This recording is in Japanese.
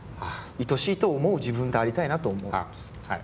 愛しいと思う自分でありたいなと思います。